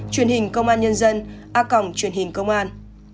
truyền hình công an nhân dân a cổng truyền hình công an